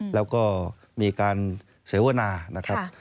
แล้วก็มีการเสวนานะครับ